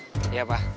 jangan tambah krepa